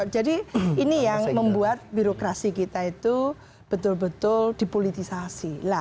jadi ini yang membuat birokrasi kita itu betul betul dipolitisasi